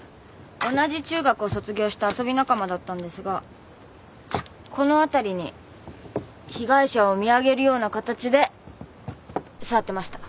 同じ中学を卒業した遊び仲間だったんですがこの辺りに被害者を見上げるような形で座ってました。